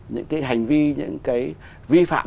những cái hành vi những cái vi phạm